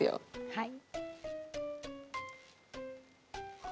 はい。